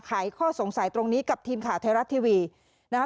ขายข้อสงสัยตรงนี้กับทีมขาวเทราทีวีนะคะ